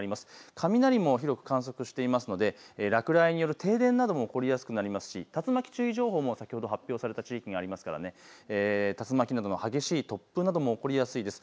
雷も広く観測していますので落雷による停電など起こりやすくなりますし、竜巻注意情報も先ほど発表された地域がありますから、竜巻など激しい突風なども起こりやすいです。